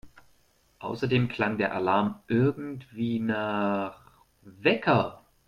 Außerdem klang der Alarm irgendwie nach … Wecker!